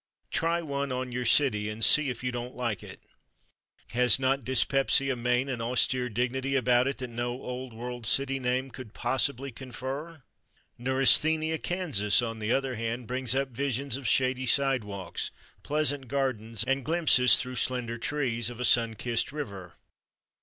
Try one on your city and see if you don't like it. Has not Dyspepsia, Maine, an austere dignity about it that no old world city name could possibly confer? Neurasthenia, Kansas, on the other hand, brings up visions of shady sidewalks, pleasant gardens, and glimpses through slender trees, of a sun kissed river.